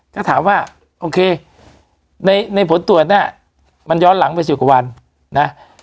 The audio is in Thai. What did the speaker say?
ถ้าถามว่าโอเคในผลตรวจน่ะมันย้อนหลังไป๑๐กว่าวันนะ